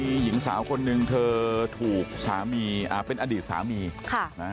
มีหญิงสาวคนหนึ่งเธอถูกสามีอ่าเป็นอดีตสามีค่ะนะ